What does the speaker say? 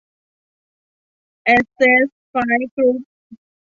แอสเซท ไฟว์ กรุ๊ป